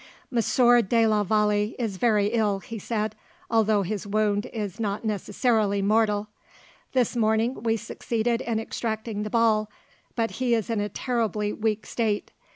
"Monsieur de la Vallee is very ill," he said, "although his wound is not necessarily mortal. This morning we succeeded in extracting the ball, but he is in a terribly weak state.